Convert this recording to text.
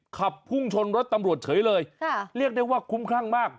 ขับพุ่งชนรถตำรวจเฉยเลยค่ะเรียกได้ว่าคุ้มคลั่งมาก